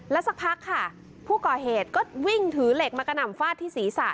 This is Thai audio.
สักพักค่ะผู้ก่อเหตุก็วิ่งถือเหล็กมากระหน่ำฟาดที่ศีรษะ